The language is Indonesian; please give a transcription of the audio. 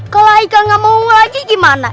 kalau ika gak mau lagi gimana